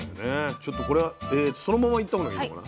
ちょっとこれそのままいった方がいいのかな？